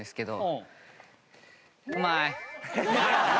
うまい！